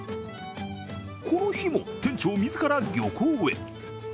この日も、店長自ら漁港へ。